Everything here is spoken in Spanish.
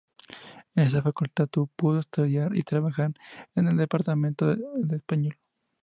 En esa Facultad pudo estudiar y trabajar en el Departamento de Español.